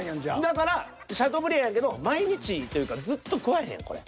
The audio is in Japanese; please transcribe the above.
だからシャトーブリアンやけど毎日というかずっと食わへんこれ。